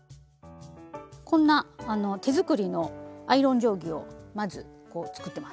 こんな手作りのアイロン定規をまず作ってます。